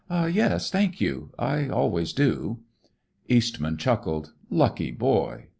"Yes, thank you. I always do." Eastman chuckled. "Lucky boy!